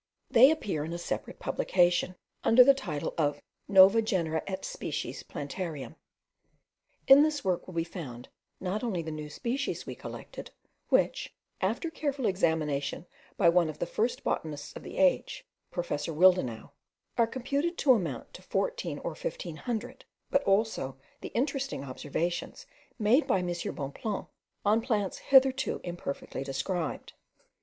They appear in a separate publication, under the title of Nova Genera et Species Plantariem. In this work will be found, not only the new species we collected, which, after a careful examination by one of the first botanists of the age, Professor Willdenouw, are computed to amount to fourteen or fifteen hundred, but also the interesting observations made by M. Bonpland on plants hitherto imperfectly described.